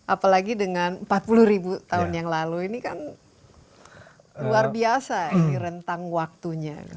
apalagi dengan empat puluh ribu tahun yang lalu ini kan luar biasa ini rentang waktunya